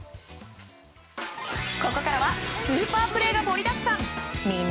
ここからはスーパープレーが盛りだくさん。